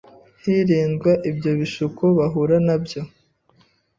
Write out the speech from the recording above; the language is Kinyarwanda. hirindwa ibyo bishuko bahura nabyo